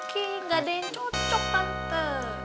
gak ada yang cocok tante